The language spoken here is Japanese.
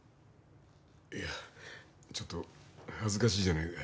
いやちょっと恥ずかしいじゃねえか。